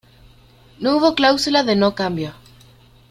No hubo cláusula de no cambio.